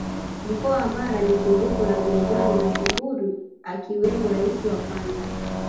Mkoa wa Mara ni chimbuko la Viongozi mashuhuri akiwemo Rais wa kwanza